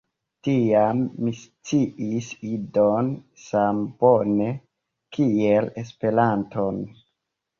Tiam mi sciis Idon same bone kiel Esperanton.